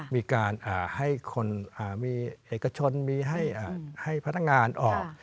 มีการให้คนมีเอกชนมีให้พนักงานออก